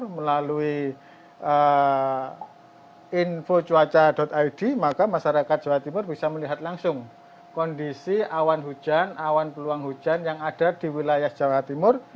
melalui info cuaca id maka masyarakat jawa timur bisa melihat langsung kondisi awan peluang hujan yang ada di wilayah jawa timur